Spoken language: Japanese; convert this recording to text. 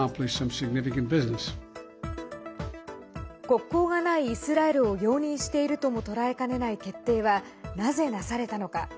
国交がないイスラエルを容認しているとも捉えかねない決定はなぜ、なされたのか。